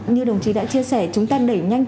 như đồng chí đã chia sẻ chúng ta đẩy nhanh